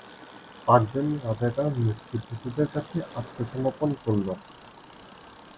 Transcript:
পাঁচজন রাজাকার মুক্তিযোদ্ধাদের কাছে আত্মসমর্পণ করল।